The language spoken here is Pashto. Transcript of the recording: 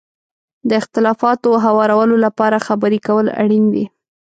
د اختلافاتو هوارولو لپاره خبرې کول اړین دي.